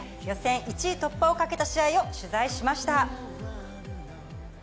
予選１位突破をかけた試合を取材しました。